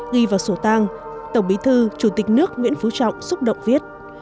ghi vào sổ tang tổng bí thư chủ tịch nước nguyễn phú trọng xúc động viết